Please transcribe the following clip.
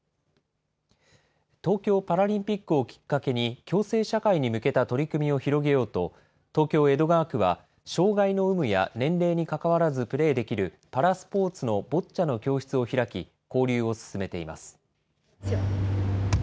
東京パラリンピックをきっかけに、共生社会に向けた取り組みを広げようと、東京・江戸川区は、障害の有無や年齢にかかわらずプレーできるパラスポーツのボッチャの教室を開き、交流を進めています。